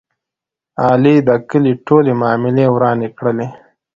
علي د کلي ټولې معاملې ورانې کړلې.